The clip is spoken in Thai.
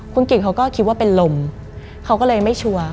คุณกิจเขาก็คิดว่าเป็นลมเขาก็เลยไม่ชัวร์